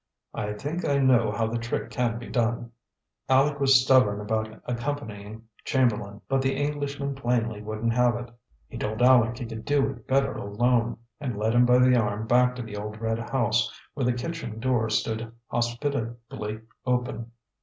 I think I know how the trick can be done." Aleck was stubborn about accompanying Chamberlain, but the Englishman plainly wouldn't have it. He told Aleck he could do it better alone, and led him by the arm back to the old red house, where the kitchen door stood hospitably open.